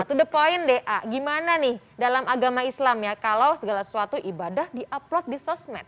to the point da gimana nih dalam agama islam ya kalau segala sesuatu ibadah di upload di sosmed